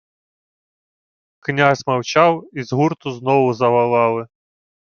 Князь мовчав, і з гурту знову заволали: